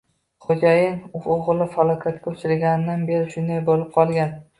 Xo`jayin… U o`g`li falokatga uchragandan beri shunday bo`lib qolgan